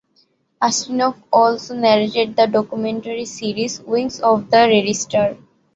Ustinov also narrated the documentary series "Wings of the Red Star".